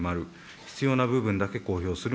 必要な部分だけ公表する。